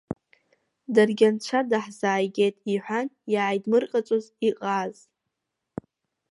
Даргьы, анцәа даҳзааигеит, — иҳәан, иааидмырҟаҵоз иҟааз.